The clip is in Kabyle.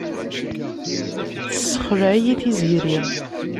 Tessexleɛ-iyi Tiziri.